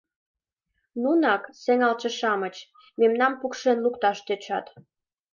Нунак, сеҥалтше-шамыч, мемнам пукшен лукташ тӧчат.